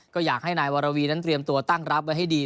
ก็อยากให้นายวรวีนั้นเตรียมตัวตั้งรับไว้ให้ดี